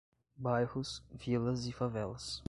Bairros, vilas e favelas